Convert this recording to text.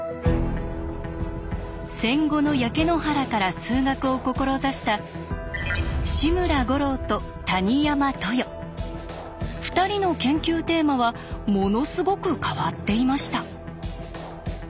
戦後の焼け野原から数学を志した２人の研究テーマはものすごく変わっていました。